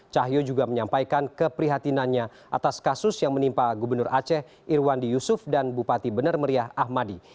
cahyo juga menyampaikan keprihatinannya atas kasus yang menimpa gubernur aceh irwandi yusuf dan bupati benar meriah ahmadi